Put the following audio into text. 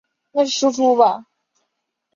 这时候出现了四大书院的说法。